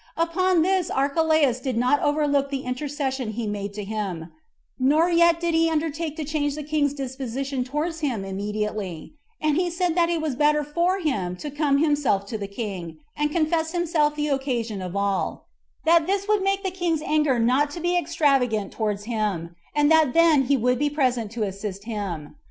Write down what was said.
Upon this Archelaus did not overlook the intercession he made to him, nor yet did he undertake to change the king's disposition towards him immediately; and he said that it was better for him to come himself to the king, and confess himself the occasion of all; that this would make the king's anger not to be extravagant towards him, and that then he would be present to assist him.